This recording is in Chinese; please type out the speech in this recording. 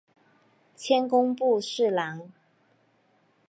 迁工部侍郎。